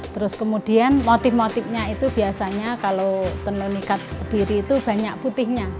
terus kemudian motif motifnya itu biasanya kalau tenun ikat kediri itu banyak putihnya